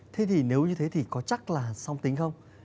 thế thì nếu như thế thì có chắc là song tính không